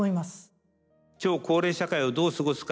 超高齢社会をどう過ごすか。